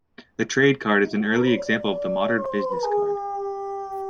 The trade card is an early example of the modern business card.